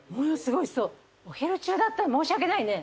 お昼中だったら申し訳ないね。